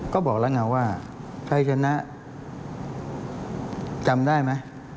ก็บอกแล้วไงว่าใครชนะจำได้ไหม